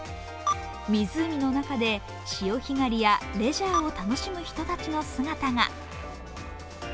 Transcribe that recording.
湖の中で潮干狩りやレジャーを楽しむ人たちの姿が。